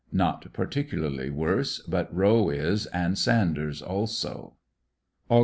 Not particularly worse, but Howe is, and Sanders also. Aug.